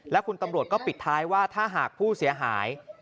และคุณตำรวจก็ปิดท้ายว่าถ้าหากผู้เสียหาย